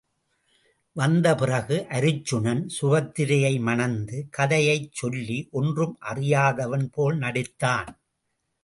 வந்த பிறகு அருச்சுனன் சுபத்திரையை மணந்த கதை யைச் சொல்லி ஒன்றும் அறியாதவன் போல் நடித்தான்.